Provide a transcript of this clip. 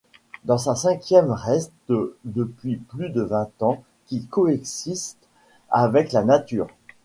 Dans sa cinquième reste depuis plus de vingt ans, qui coexiste avec la nature.